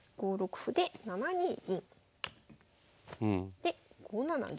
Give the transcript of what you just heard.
で５七銀。